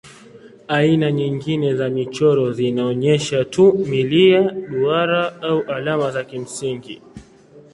Aina nyingine za michoro zinaonyesha tu milia, duara au alama za kimsingi.